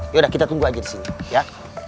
yaudah kita tunggu aja di sini ya